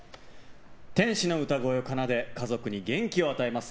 天使の歌声を奏で家族に元気を与えます。